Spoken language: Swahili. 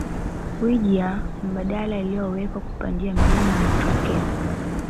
Wjia mbadala iliyowekwa kupandia mlima ni trakea